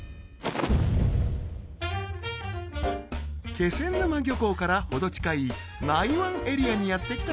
気仙沼漁港からほど近い内湾エリアにやって来た